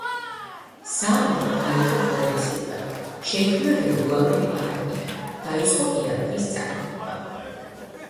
საამირო დაიყო პროვინციებად, შეიქმნა რეგულარული არმია, დაიწყო იარაღის წარმოება.